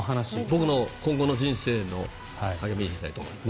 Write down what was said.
僕の今後の人生の歩みにしたいと思います。